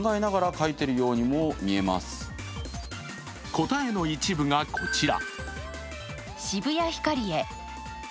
答えの一部が、こちら。